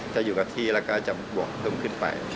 จะอยู่กับที่แล้วก็จะบวกตุ้มขึ้นไป